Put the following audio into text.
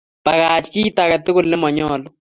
Pakach kit age tugul ne manyalu.